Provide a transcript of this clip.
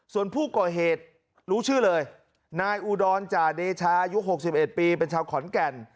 ส่วนผู้ก่อเหตุรู้ชื่อเลยนายอุดรจาเดชายุ๖๑ปีเป็นชาวขอนแก่น